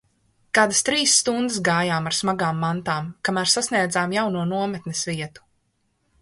Kādas trīs stundas gājām, ar smagām mantām, kamēr sasniedzām jauno nometnes vietu.